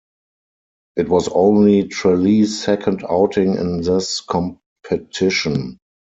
It was only Tralee's second outing in this competition.